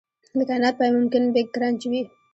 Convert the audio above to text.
د کائنات پای ممکن بیګ کرنچ وي.